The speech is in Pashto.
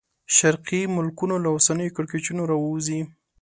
شرقي ملکونه له اوسنیو کړکېچونو راووځي.